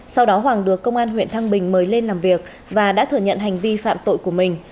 sau đó hoàng được công an huyện thăng bình mời lên làm việc và đã thừa nhận hành vi phạm tội của mình